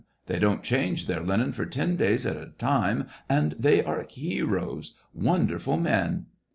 They don't change their linen for ten days at a time, and they are heroes — wonderful men."